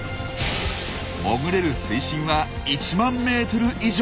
潜れる水深は１万ｍ以上。